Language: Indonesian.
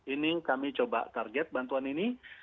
ini kami coba target bantuan ini